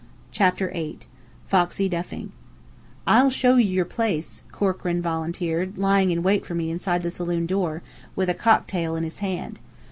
CHAPTER VIII FOXY DUFFING "I'll show you your place," Corkran volunteered, lying in wait for me inside the saloon door, with a cocktail in his hand.